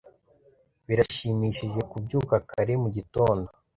Birashimishije kubyuka kare mu gitondo.